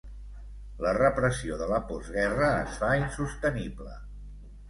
La repressió de la postguerra es fa insostenible.